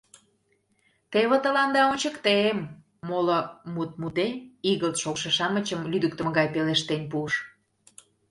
— Теве тыланда ончыктем! — моло мут муде, игылт шогышо-шамычым лӱдыктымӧ гай пелештен пуыш.